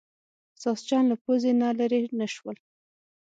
ساسچن له پوزې نه لرې نه شول.